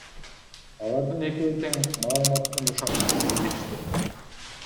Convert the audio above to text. Алардын экөөсү тең маалыматтын ушак экенин билдиришти.